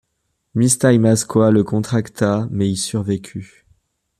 Mistahimaskwa la contracta, mais y survécut.